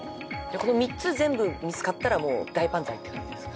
この３つ全部見つかったらもう大万歳って感じですか？